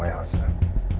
apa yang harus aku lakukan